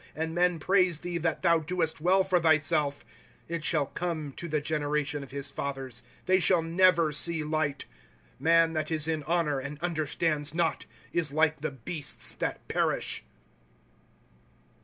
And men praise thee that thou doest well for thyself, '^ It shall come to the generation of his fathers ; They shall never see light, ^^ Man that is in honor, and understands not, Is like the beasts that perish.